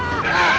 pak pak asap